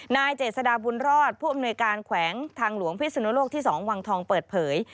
นายเจษฎาบุญรอดผู้อำนวยการแขวงทางหลวงพิศนุโลกที่๒วังทองเปิดเผย